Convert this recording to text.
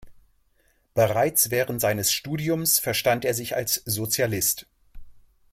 Bereits während seines Studiums verstand er sich als Sozialist.